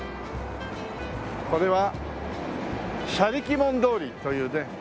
これは「車力門通り」というね。